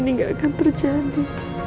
ini gak akan terjadi